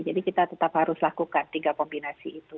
jadi kita tetap harus lakukan tiga kombinasi itu